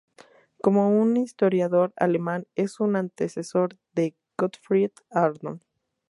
Como un historiador alemán, es un antecesor de Gottfried Arnold.